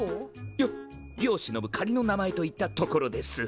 よ世をしのぶ仮の名前といったところです。